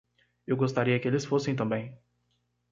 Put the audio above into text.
Eu gostaria que eles fossem também.